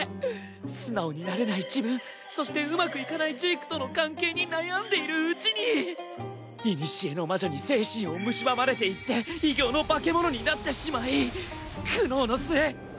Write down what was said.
素直になれない自分そしてうまくいかないジークとの関係に悩んでいるうちに古の魔女に精神をむしばまれていって異形の化け物になってしまい苦悩の末ジークが。